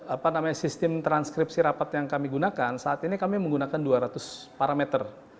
apa namanya sistem transkripsi rapat yang kami gunakan saat ini kami menggunakan dua ratus parameter